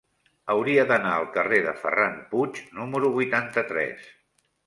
Hauria d'anar al carrer de Ferran Puig número vuitanta-tres.